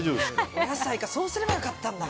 お野菜かそうすれば良かったんだ。